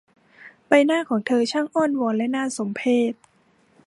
ใบหน้าของเธอช่างอ้อนวอนและน่าสมเพช